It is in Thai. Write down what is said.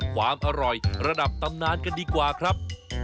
ความอร่อยระดับตำนานกันดีกว่าครับ